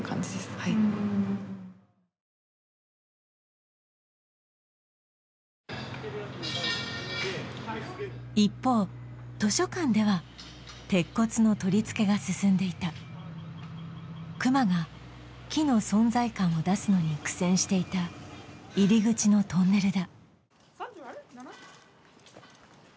はい一方図書館では鉄骨の取り付けが進んでいた隈が木の存在感を出すのに苦戦していた入り口のトンネルだ